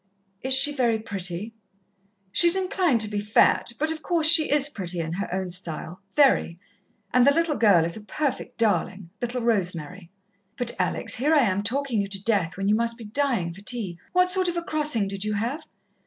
"Is she very pretty?" "She's inclined to be fat, but, of course, she is pretty, in her own style very. And the little girl is a perfect darling little Rosemary. "But, Alex, here am I talking you to death when you must be dying for tea. What sort of a crossing did you have?"